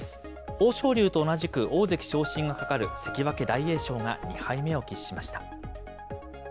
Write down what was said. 豊昇龍と同じく大関昇進がかかる関脇・大栄翔が２敗目を喫しました。